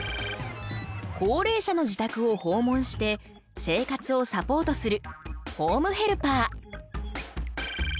高齢者の自宅を訪問して生活をサポートするホームヘルパー。